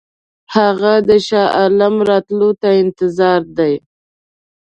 هغه د شاه عالم راتلو ته انتظار دی.